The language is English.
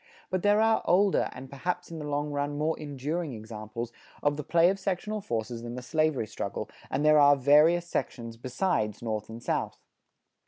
But there are older, and perhaps in the long run more enduring examples of the play of sectional forces than the slavery struggle, and there are various sections besides North and South.